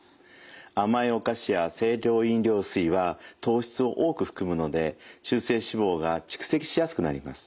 甘いお菓子や清涼飲料水は糖質を多く含むので中性脂肪が蓄積しやすくなります。